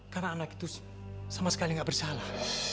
karena anak itu sama sekali gak bersalah